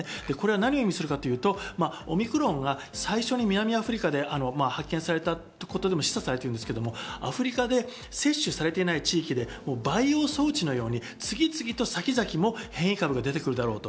何を意味するかというとオミクロンが最初に南アフリカで発見されたことでも示唆されていますが、アフリカで接種されていない地域で培養装置のように、次々と先々も変異株が出てくるだろうと。